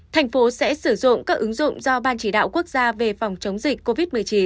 thành phố sẽ sử dụng các ứng dụng do ban chỉ đạo quốc gia về phòng chống dịch covid một mươi chín